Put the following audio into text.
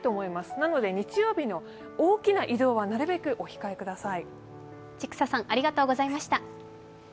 なので日曜日の大きな移動はなるべくお控えください。